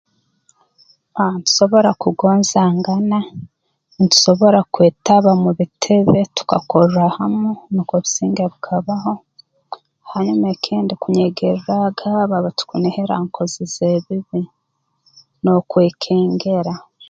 Ah ntusobora kugonzangana ntusobora kwetaba mu bitebe tukakorra hamu nukwo obusinge bukabaho hanyuma ekindi kunyegerraaga abo aba tukunihira nkozi z'ebibi n'okwekengera